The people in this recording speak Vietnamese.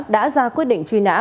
đã ra quyết định truy nã